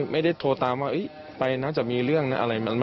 ไม่ได้โทรตามว่าเอ๊ะไปเองเหมือนจะมีเรื่องอะไร